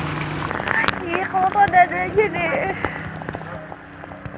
ih kalau tau ada aja deh